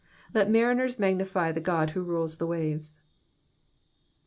*' Let mariners magnify the God who rules the waves.